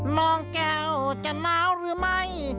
น้องแก้วจะน้าวหรือไม่